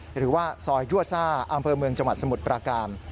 หรือว่าซอยยั่วซ่าอำเภอเมืองจังหวัดสมุทรปราการ